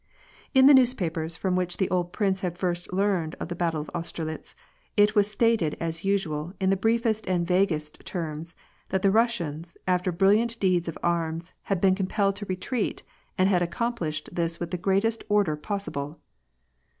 I In the newspapers from which the old prince had firsfc I learned of the battle of Austerlitz, it was stated, as usual, in ' the briefest and vaguest terms, that the Russians, after bril 1 liant deeds of arms, had been compelled to retreat, and had accomplished this with the greatest order possible.